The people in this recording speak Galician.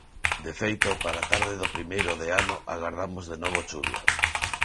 De feito, para a tarde do primeiro de ano agardamos de novo chuvia.